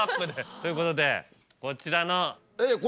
ということでこちらの。